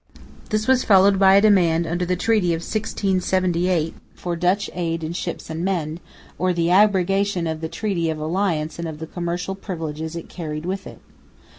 This was followed by a demand under the treaty of 1678 for Dutch aid in ships and men, or the abrogation of the treaty of alliance and of the commercial privileges it carried with it.